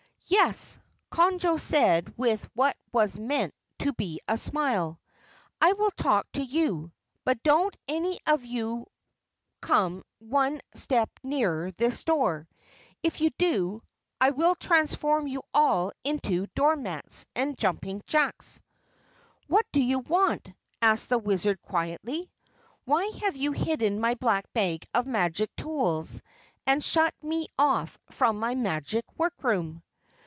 "Yes," Conjo said with what was meant to be a smile, "I will talk to you. But don't any one of you come one step nearer this door. If you do, I will transform you all into door mats and jumping jacks." "What do you want?" asked the Wizard quietly. "Why have you hidden my Black Bag of Magic Tools and shut me off from my Magic Workroom?"